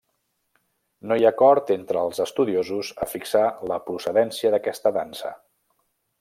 No hi ha acord entre els estudiosos a fixar la procedència d’aquesta dansa.